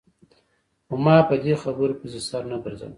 خو ما په دې خبرو پسې سر نه ګرځاوه.